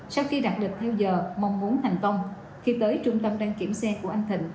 sau khi đạt được theo giờ mong muốn thành công khi tới trung tâm đăng kiểm xe của anh thịnh